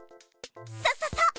そうそうそう。